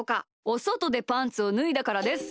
おそとでパンツをぬいだからです。